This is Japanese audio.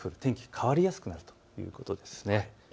変わりやすくなるということですね。